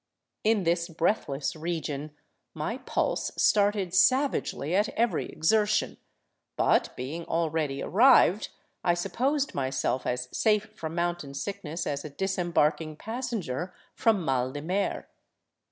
In this breathless region my pulse started savagely at every exertion, but being already arrived, I supposed myself as safe from mountain sickness as ^ disembarking passenger from mal de mer.